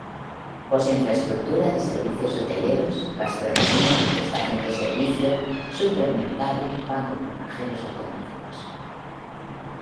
Posee infraestructura de servicios hoteleros, gastronomía, estación de servicio, supermercado, banco con cajeros automáticos.